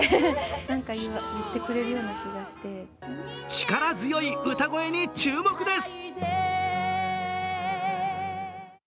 力強い歌声に注目です。